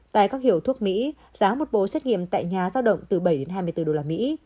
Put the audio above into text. tại các hiệu thuốc mỹ giá một bộ xét nghiệm tại nhà giao động từ bảy hai mươi bốn đô la mỹ